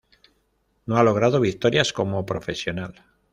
No ha logrado victorias como profesional.